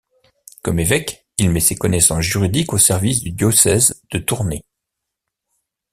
Comme évêque il met ses connaissances juridiques au service du diocèse de Tournai.